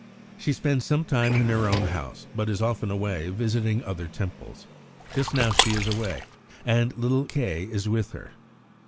She spends some time in her own house, but is often away visiting other Temples. Just now she is away, and little K. is with her.